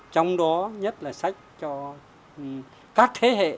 trong đó nhất là sách cho các thế hệ